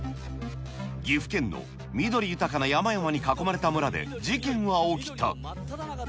岐阜県の緑豊かな山々に囲まれた村で事件は起きた。